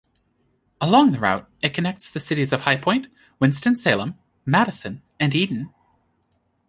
Along the route, it connects the cities of High Point, Winston-Salem, Madison, and Eden.